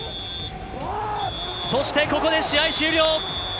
そして、ここで試合終了。